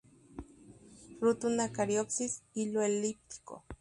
Fruto una cariopsis; hilo elíptico.